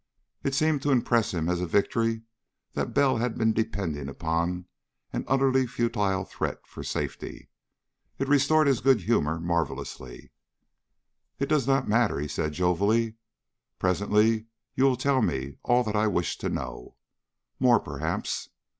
It seemed to impress him as a victory that Bell had been depending upon an utterly futile threat for safety. It restored his good humor marvelously. "It does not matter," he said jovially. "Presently you will tell me all that I wish to know. More, perhaps.